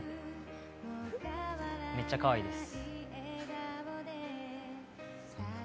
めっちゃかわいいです。